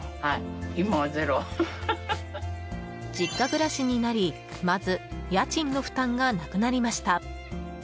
実家暮らしになりまず家賃の負担がなくなりました。